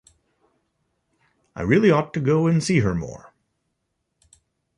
I really ought to go and see her more.